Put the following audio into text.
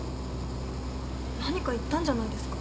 何か言ったんじゃないですか？